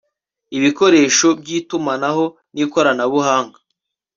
ibikoresho by itumanaho n ikoranabuhanga